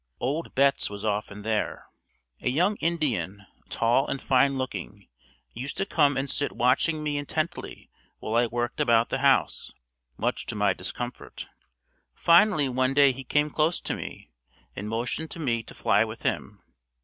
"Old Betts" was often there. A young Indian, tall and fine looking used to come and sit watching me intently while I worked about the house, much to my discomfort. Finally one day he came close to me and motioned to me to fly with him.